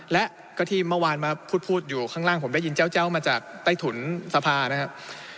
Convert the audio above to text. และก็ที่เมื่อวานมาพูดอยู่ข้างล่างผมได้ยินแจ้วมาจากใต้ถุนสภานะครับ